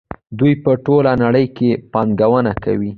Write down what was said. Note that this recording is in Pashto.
دوی په ټوله نړۍ کې پانګونه کوي.